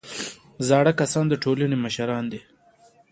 زاړه کسان د ټولنې مشران دي